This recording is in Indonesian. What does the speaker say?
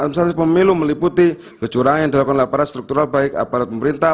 administratif pemilu meliputi kecurangan dalam laporan struktural baik aparat pemerintah